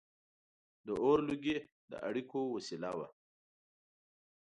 • د اور لوګي د اړیکو وسیله وه.